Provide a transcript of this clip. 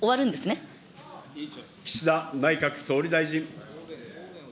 岸田内閣総理大臣。